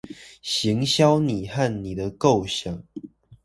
行銷你和你的構想